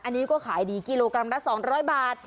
อันนี้ก็ขายดีกิโลกรัมละ๒๐๐บาท